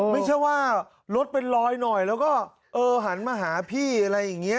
ไม่ใช่ว่ารถเป็นลอยหน่อยแล้วก็เออหันมาหาพี่อะไรอย่างนี้